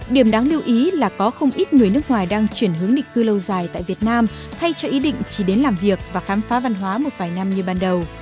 điểm đáng lưu ý là có không ít người nước ngoài đang chuyển hướng định cư lâu dài tại việt nam thay cho ý định chỉ đến làm việc và khám phá văn hóa một vài năm như ban đầu